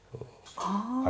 ああ。